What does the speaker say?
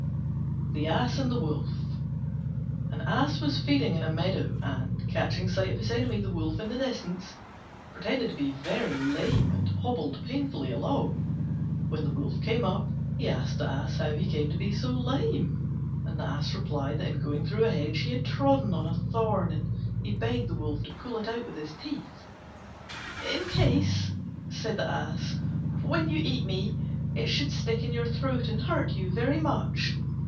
THE ASS AND THE WOLF An Ass was feeding in a meadow, and, catching sight of his enemy the Wolf in the distance, pretended to be very lame and hobbled painfully along. When the Wolf came up, he asked the Ass how he came to be so lame, and the Ass replied that in going through a hedge he had trodden on a thorn, and he begged the Wolf to pull it out with his teeth, "In case," he said, "when you eat me, it should stick in your throat and hurt you very much."